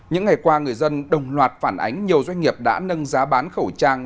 những ngày qua người dân đồng loạt phản ánh nhiều doanh nghiệp đã nâng giá bán khẩu trang